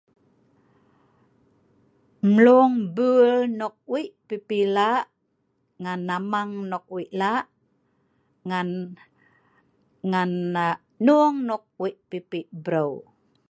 Mlung bul nok wei pipi laaq, ngan amang nok wei laaq ngan nuung nok wei pipi breu